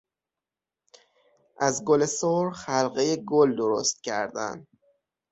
از گل سرخ حلقهی گل درست کردن